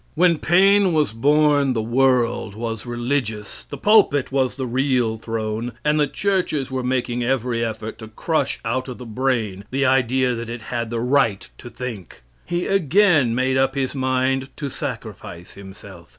When Paine was born the world was religious, the pulpit was the real throne, and the churches were making every effort to crush out of the brain the idea that it had the right to think. He again made up his mind to sacrifice himself.